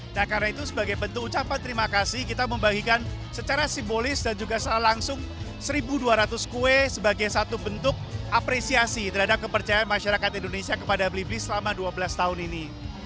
nah karena itu sebagai bentuk ucapan terima kasih kita membagikan secara simbolis dan juga secara langsung satu dua ratus kue sebagai satu bentuk apresiasi terhadap kepercayaan masyarakat indonesia kepada blibli selama dua belas tahun ini